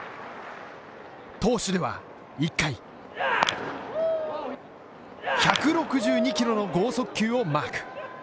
投手では、１回１６２キロの剛速球をマーク。